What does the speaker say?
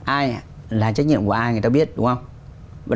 ai ạ là trách nhiệm của ai người ta biết đúng không